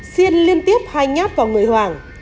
xiên liên tiếp hai nháp vào người hoàng